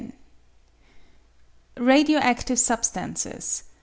Radio active Snbstajices.